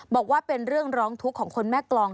บอกว่าเป็นเรื่องร้องทุกข์ของคนแม่กรอง